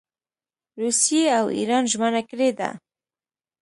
روسیې او اېران ژمنه کړې ده.